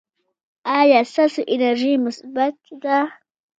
ایا ستاسو انرژي مثبت ده؟